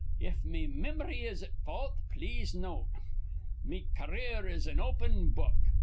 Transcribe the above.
If me mim'ry is at fault, please note. Me car eer is an open book.